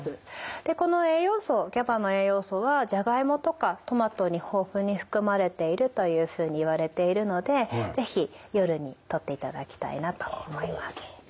でこの栄養素ＧＡＢＡの栄養素はジャガイモとかトマトに豊富に含まれているというふうにいわれているので是非夜にとっていただきたいなと思います。